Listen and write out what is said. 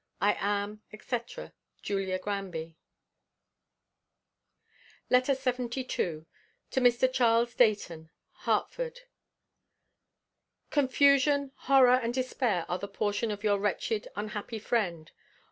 I am, &c., JULIA GRANBY. LETTER LXXII. TO MR. CHARLES DEIGHTON. HARTFORD. Confusion, horror, and despair are the portion of your wretched, unhappy friend.